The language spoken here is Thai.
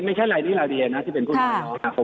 ไม่ใช่รายนี้ราเบียนะที่เป็นผู้น้อยร้องค่ะ